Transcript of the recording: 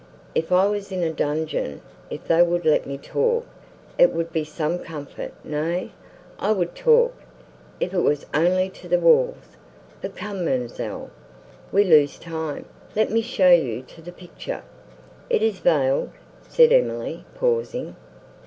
If I was in a dungeon, if they would let me talk—it would be some comfort; nay, I would talk, if it was only to the walls. But come, ma'amselle, we lose time—let me show you the picture." "Is it veiled?" said Emily, pausing.